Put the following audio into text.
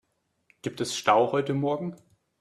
Gibt es Stau heute morgen?